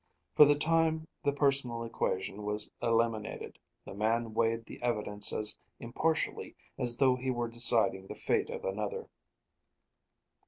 For the time the personal equation was eliminated; the man weighed the evidence as impartially as though he were deciding the fate of another.